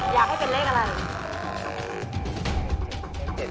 อยากให้เป็นเลขอะไร